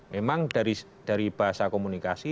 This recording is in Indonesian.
memang dari bahasa komunikasi